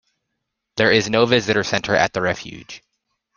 There is no visitor center at the refuge.